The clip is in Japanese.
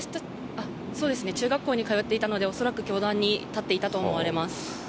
そうですね、中学校に通っていたので、恐らく教壇に立っていたと思われます。